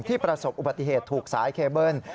ประสบอุบัติเหตุถูกสายเคเบิ้ล